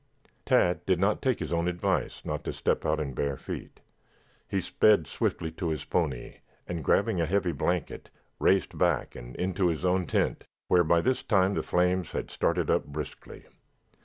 Tad did not take his own advice not to step out in bare feet. He sped swiftly to his pony, and, grabbing a heavy blanket, raced back and into his own tent where, by this time, the flames had started up briskly.